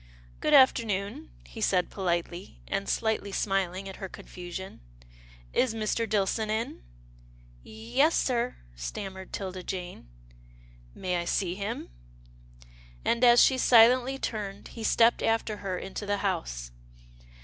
" Good afternoon," he said politely, and slightly smiling at her confusion. "Is Mr. Dillson in?" " Y yes, sir," stammered 'Tilda Jane. ' 82 'TILDA JANE'S ORPHANS " May I see him? " and, as she silently turned, he stepped after her into the house.